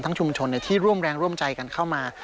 ชุมชนที่ร่วมแรงร่วมใจกันเข้ามา